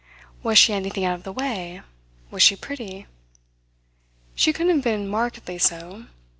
Was she anything out of the way? Was she pretty? She couldn't have been markedly so.